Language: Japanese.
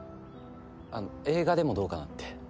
あの映画でもどうかなって。